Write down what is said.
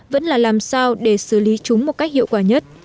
vẫn là làm sao để xử lý chúng một cách hiệu quả nhất